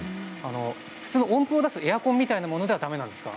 普通の温風を出すエアコンみたいなものではだめなんですか？